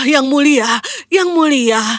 yang mulia yang mulia